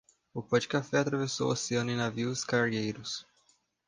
O pó de café atravessou o oceano em navios cargueiros